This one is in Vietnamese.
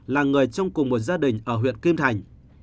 là người trong cùng một gia đình ở huyện kim thành